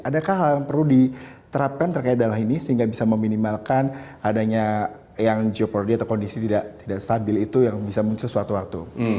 adakah hal yang perlu diterapkan terkait dalam ini sehingga bisa meminimalkan adanya yang geopordy atau kondisi tidak stabil itu yang bisa muncul suatu waktu